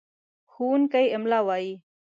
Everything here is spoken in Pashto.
ښوونکی املا وايي.